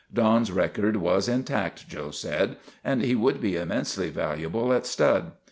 Don's record was intact, Joe said, and he would be immensely valuable at stud.